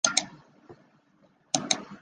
机关驻地位于宁波市。